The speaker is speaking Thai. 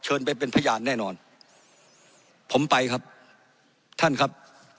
เชิญไปเป็นพยานแน่นอนผมไปครับท่านครับ